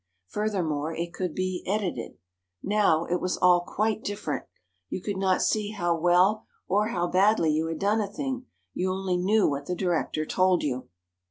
Furthermore, it could be "edited." Now, it was all quite different. You could not see how well, or how badly, you had done a thing; you only knew what the director told you.